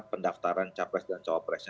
pendaftaran capres dan cawapresnya